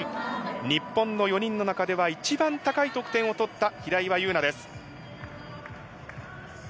日本の４人の中では一番高い得点を取った平岩優奈です。